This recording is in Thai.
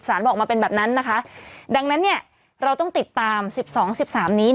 สารบอกมาเป็นแบบนั้นนะคะดังนั้นเนี่ยเราต้องติดตาม๑๒๑๓นี้